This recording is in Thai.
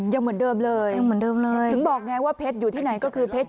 ยังเหมือนเดิมเลยคือบอกไงว่าเพชรอยู่ที่ไหนก็คือเพชร